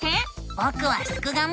ぼくはすくがミ。